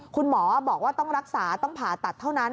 คุณหมอบอกว่าต้องรักษาต้องผ่าตัดเท่านั้น